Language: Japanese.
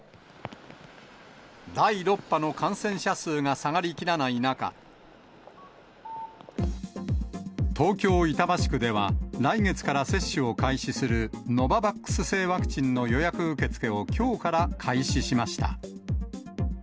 第６波の感染者数が下がりきらない中、東京・板橋区では来月から接種を開始するノババックス製ワクチンの予約受け付けをきょうから開始しました。